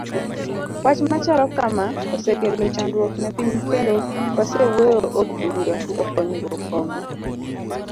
Wch machalo kama osekelo chandruok ne piny kendo wasewuoye od bura to konyruok onge.